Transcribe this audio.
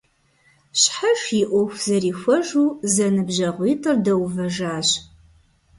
Щхьэж и Iуэху зэрихуэжу зэныбжьэгъуитIыр дэувэжащ.